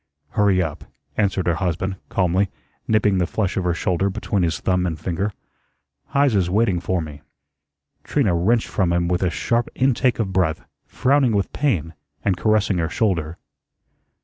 "Hurry up," answered her husband, calmly, nipping the flesh of her shoulder between his thumb and finger. "Heise's waiting for me." Trina wrenched from him with a sharp intake of breath, frowning with pain, and caressing her shoulder.